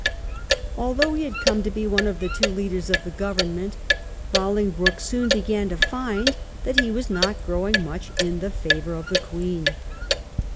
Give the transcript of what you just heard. Although he had come to be one of the two leaders of the Government, Bolingbroke soon began^ to find that he was not growing much in the favour of the Queen.